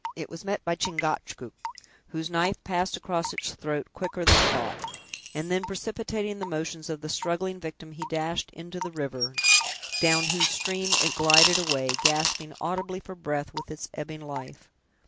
It was met by Chingachgook, whose knife passed across its throat quicker than thought, and then precipitating the motions of the struggling victim, he dashed into the river, down whose stream it glided away, gasping audibly for breath with its ebbing life.